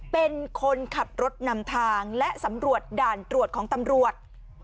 เป็นคนขับรถนำทางและสำรวจด่านตรวจของตำรวจ